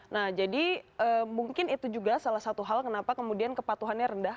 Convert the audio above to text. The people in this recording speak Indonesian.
nah jadi mungkin itu juga salah satu hal kenapa kemudian kepatuhannya rendah